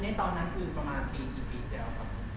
อันนี้ตอนนั้นคือประมาณปีกี่ปีเดี๋ยว